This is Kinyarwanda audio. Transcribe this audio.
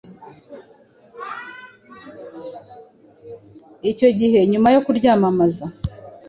icyo gihe nyuma yo kuryamamaza